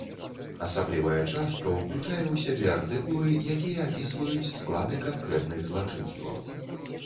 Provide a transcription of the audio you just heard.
Асаблівая частка ўключае ў сябе артыкулы, якія апісваюць склады канкрэтных злачынстваў.